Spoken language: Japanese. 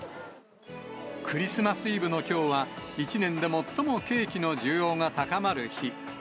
クリスマスイブのきょうは、１年で最もケーキの需要が高まる日。